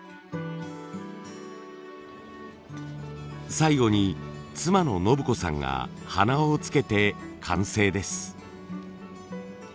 最後に妻の延子さんが鼻緒を付けて完成です。